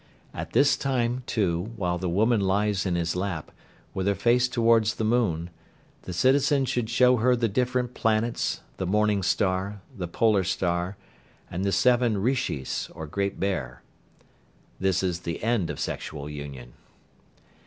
At this time, too, while the woman lies in his lap, with her face towards the moon, the citizen should show her the different planets, the morning star, the polar star, and the seven Rishis, or Great Bear. This is the end of sexual union.